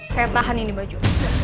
saya tahan ini baju